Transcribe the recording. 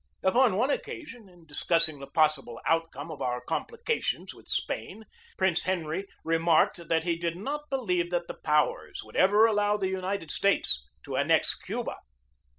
Upon one occasion, in dis cussing the possible outcome of our complications with Spain, Prince Henry remarked that he did not believe that the powers would ever allow the United States to annex Cuba.